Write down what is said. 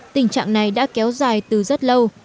tình trạng này đã kéo dài từ rất lâu